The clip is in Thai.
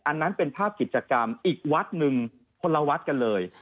อันนั้นเป็นภาพกิจกรรมอีกวัดหนึ่งคนละวัดกันเลย